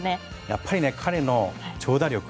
やっぱり彼の長打力。